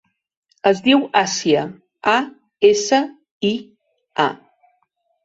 Es diu Asia: a, essa, i, a.